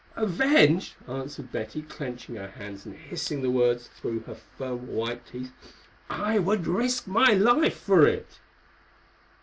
"Avenged?" answered Betty, clenching her hands and hissing the words through her firm, white teeth. "I would risk my life for it."